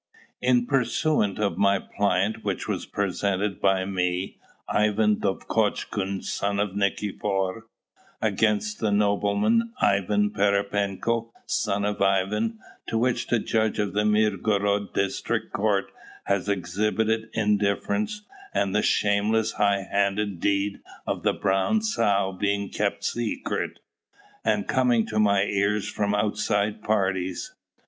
"In pursuance of my plaint which was presented by me, Ivan Dovgotchkun, son of Nikifor, against the nobleman, Ivan Pererepenko, son of Ivan, to which the judge of the Mirgorod district court has exhibited indifference; and the shameless, high handed deed of the brown sow being kept secret, and coming to my ears from outside parties.